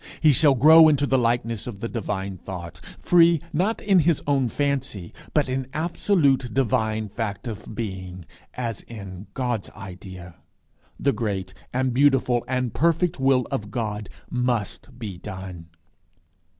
He shall grow into the likeness of the divine thought, free not in his own fancy, but in absolute divine fact of being, as in God's idea. The great and beautiful and perfect will of God must be done.